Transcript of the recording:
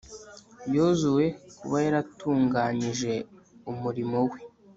yozuwe, kuba yaratunganyije umurimo we